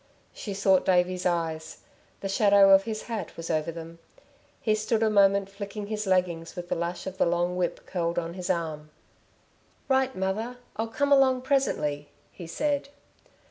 She sought Davey's eyes. The shadow of his hat was over them. He stood a moment flicking his leggings with the lash of the long whip curled on his arm. "Right, mother! I'll come along, presently," he said.